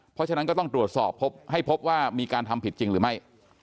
เพราะฉะนั้นก็ต้องตรวจสอบให้พบว่ามีการทำผิดจริงหรือไม่